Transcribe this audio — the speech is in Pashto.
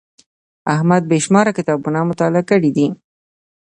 احمد بې شماره کتابونه مطالعه کړي دي.